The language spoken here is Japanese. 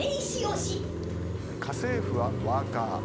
家政婦はワーカー。